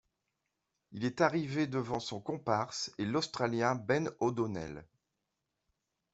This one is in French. Il est arrivé devant son comparse et l'Australien Ben O’Donnell.